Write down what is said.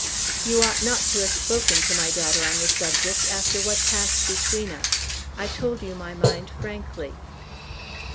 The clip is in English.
"You ought not to have spoken to my daughter on the subject after what passed between us. I told you my mind frankly."